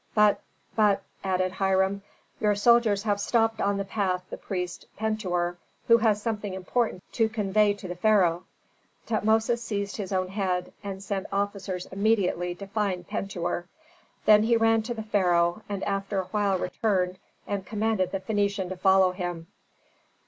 "But but," added Hiram, "your soldiers have stopped on the path the priest Pentuer, who has something important to convey to the pharaoh." Tutmosis seized his own head, and sent officers immediately to find Pentuer. Then he ran to the pharaoh, and after a while returned and commanded the Phœnician to follow him.